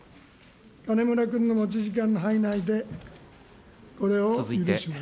金村君の持ち時間の範囲内で、これを許します。